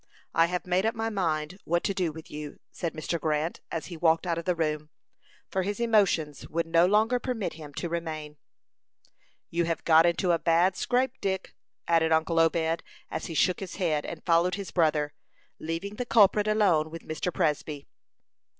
I have made up my mind what to do with you," said Mr. Grant, as he walked out of the room, for his emotions would no longer permit him to remain. "You have got into a bad scrape, Dick," added uncle Obed, as he shook his head, and followed his brother, leaving the culprit alone with Mr. Presby.